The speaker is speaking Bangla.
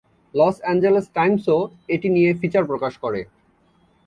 লস এঞ্জেলেস টাইমস ও এটি নিয়ে ফিচার প্রকাশ করে।